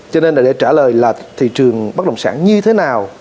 cho nên là để trả lời là thị trường bất động sản như thế nào